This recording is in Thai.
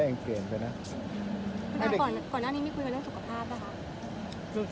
ก่อนหน้านี้มิคุยกับเรื่องสุขภาพ่าคะ